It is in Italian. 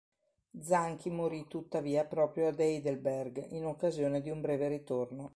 Zanchi morì tuttavia proprio ad Heidelberg in occasione di un breve ritorno.